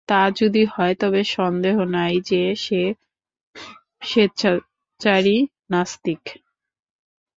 তা যদি হয় তবে সন্দেহ নাই যে সে মেচ্ছাচারী নাস্তিক।